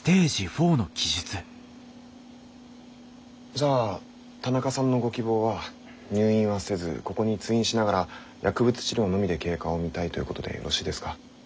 じゃあ田中さんのご希望は入院はせずここに通院しながら薬物治療のみで経過を見たいということでよろしいですか？